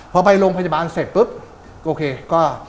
พอไปโรงพยาบาลเสร็จปุ๊บโอเคก็